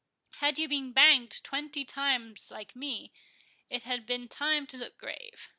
Had you been banged twenty times like me, it had been time to look grave.